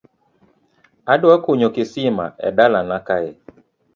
Adwa kunyo kisima e dala na kae